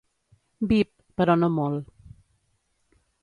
Vip, però no molt.